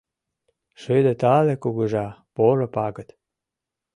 «Шыде-тале кугыжа, поро пагыт!